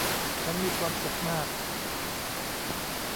ฉันมีความสุขมาก